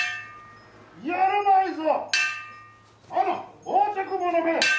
やるまいぞ！